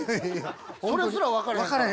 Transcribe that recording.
それすら分かれへんから。